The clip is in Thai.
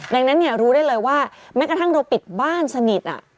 ดังนั้นเนี่ยรู้ได้เลยว่าแม้กระทั่งเราปิดบ้านสนิท